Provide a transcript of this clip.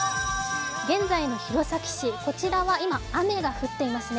現在の弘前市、こちらは今、雨が降っていますね。